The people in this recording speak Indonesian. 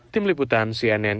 tim liputan cnn